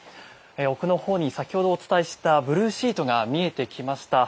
奥のほうに先ほどお伝えしたブルーシートが見えてきました。